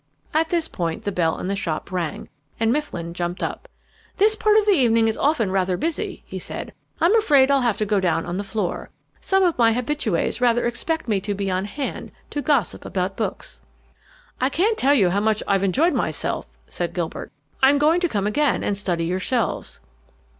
At this point the bell in the shop rang, and Mifflin jumped up. "This part of the evening is often rather busy," he said. "I'm afraid I'll have to go down on the floor. Some of my habitues rather expect me to be on hand to gossip about books." "I can't tell you how much I've enjoyed myself," said Gilbert. "I'm going to come again and study your shelves."